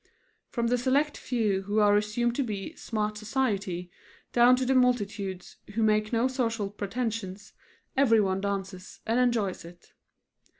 From the select few who are assumed to be "smart society," down to the multitudes who make no social pretentions, everyone dances, and enjoys it.